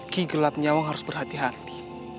ki gelap nyawa harus berhati hati